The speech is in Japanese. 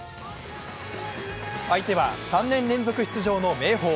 相手は３年連続出場の明豊。